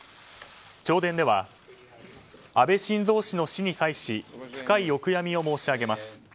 弔電では、安倍晋三氏の死に際し深いお悔みを申し上げます。